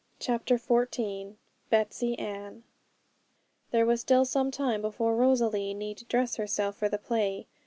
CHAPTER XIV BETSEY ANN There was still some time before Rosalie need dress herself for the play.